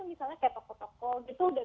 misalnya kayak toko toko itu sudah